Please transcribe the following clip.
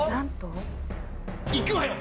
いくわよ。